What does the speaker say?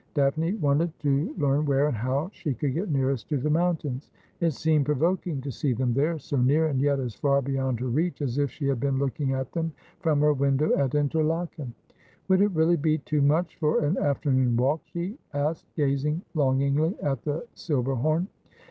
Daphne wanted to leara where and how she could get nearest to the mountains. It seemed provoking to see them there, so near, and yet as far beyond her reach as if she had been looking at them from her window at Interlaken. ' Would it really be too much for an afternoon walk ?' she asked, gazing longingly at the Silberhorn.